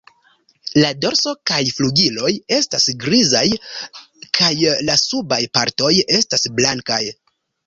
La dorso kaj flugiloj estas grizaj kaj la subaj partoj estas blankaj.